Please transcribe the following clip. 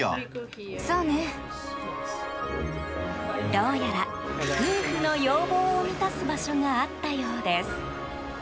どうやら夫婦の要望を満たす場所があったようです。